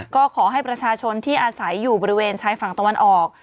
ก็ขอให้ประชาชนที่อาศัยอยู่บริเวณชายฝั่งตะวันออก